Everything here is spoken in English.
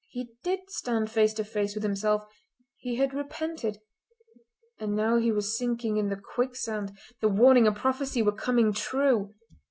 He did stand face to face with himself, he had repented—and now he was sinking in the quicksand! The warning and prophecy were coming true.